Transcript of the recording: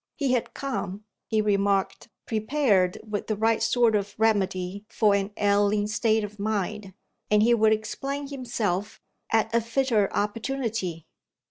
He had come (he remarked) prepared with the right sort of remedy for an ailing state of mind, and he would explain himself at a fitter opportunity.